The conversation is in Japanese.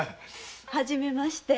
初めまして。